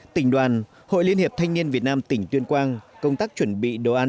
tỉnh đoàn hội liên hiệp thanh niên việt nam tỉnh tuyên quang công tác chuẩn bị đồ ăn